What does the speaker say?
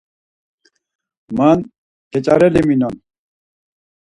Man geç̌areli minon.